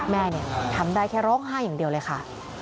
แม่ทำได้แค่ร้องไห้อย่างเดียวเลยค่ะ